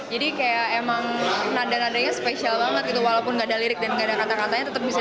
jadi kayak emang nada nadanya spesial banget gitu walaupun gak ada lirik dan gak ada kata katanya tetap bisa